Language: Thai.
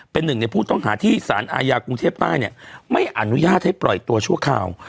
เป็นหนึ่งในผู้ต้องหาที่สารอาญากรุงเทพใต้เนี่ยไม่อนุญาตให้ปล่อยตัวชั่วคราว